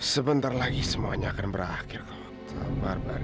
sebentar lagi semuanya akan berakhir kau sabar sabar